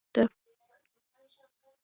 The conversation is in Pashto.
ګټه د ښه پلان پایله ده.